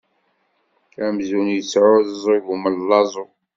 Amzun yesεuẓẓug umellaẓu!